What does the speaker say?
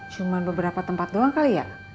cuma beberapa tempat doang kali ya